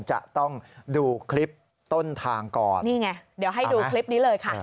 จะต้องดูคลิปต้นทางก่อนนี่ไงเดี๋ยวให้ดูคลิปนี้เลยค่ะ